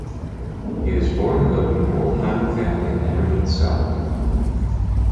He was born of an old Highland family in Aberdeen, Scotland.